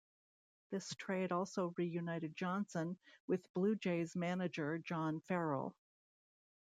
This trade also reunited Johnson with Blue Jays manager John Farrell.